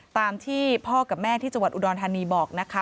ตามที่พ่อกับแม่ที่จังหวัดอุดรธานีบอกนะคะ